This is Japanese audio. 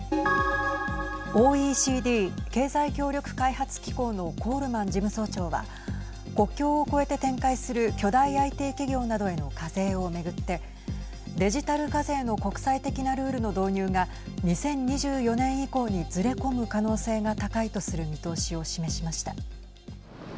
ＯＥＣＤ＝経済協力開発機構のコールマン事務総長は国境を越えて展開する巨大ＩＴ企業などへの課税を巡ってデジタル課税の国際的なルールの導入が２０２４年以降にずれ込む可能性が高いとする見通しを示しました。